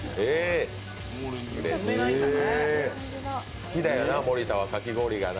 好きだよな、森田はかき氷はな。